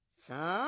そう。